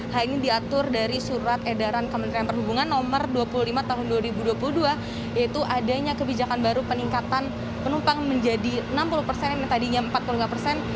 hal ini diatur dari surat edaran kementerian perhubungan nomor dua puluh lima tahun dua ribu dua puluh dua yaitu adanya kebijakan baru peningkatan penumpang menjadi enam puluh persen yang tadinya empat puluh lima persen